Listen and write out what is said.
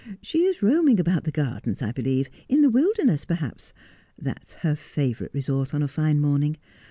She is roaming about the gardens, I believe — in the wilderness, perhaps. That is her favourite resort on a fine morning.